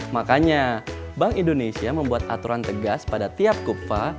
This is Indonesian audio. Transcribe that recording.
makanya bank indonesia membuat aturan tegas pada tiap kupa